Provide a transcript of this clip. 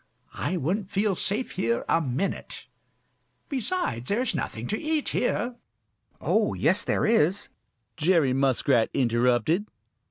I wouldn't feel safe here a minute. Besides, there is nothing to eat here." "Oh, yes, there is," Jerry Muskrat interrupted.